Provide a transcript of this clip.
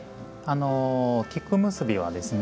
菊結びはですね